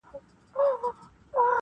سور سالو يې د لمبو رنګ دی اخيستى-